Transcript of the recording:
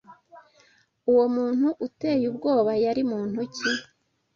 Uwo muntu uteye ubwoba yari muntu ki?